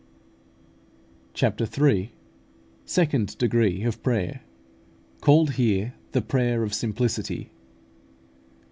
CHAPTER III. SECOND DEGREE OF PRAYER, CALLED HERE "THE PRAYER OF SIMPLICITY."